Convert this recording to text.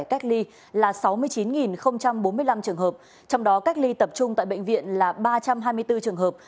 cách ly là sáu mươi chín bốn mươi năm trường hợp trong đó cách ly tập trung tại bệnh viện là ba trăm hai mươi bốn trường hợp